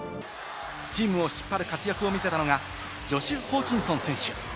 チームを引っ張る活躍を見せたのが、ジョシュ・ホーキンソン選手。